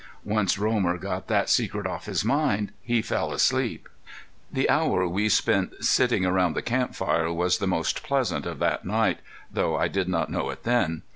Once Romer got that secret off his mind he fell asleep. The hour we spent sitting around the camp fire was the most pleasant of that night, though I did not know it then.